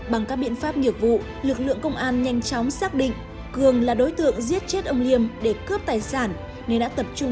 bằng các biện pháp nghiệp vụ lực lượng công an